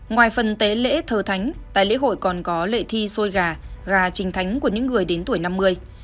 ngoài phần tế lễ thờ thánh tại lễ hội còn có lễ thi sôi gà gà trình thánh của những người đến tuổi năm mươi